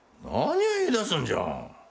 何を言いだすんじゃ。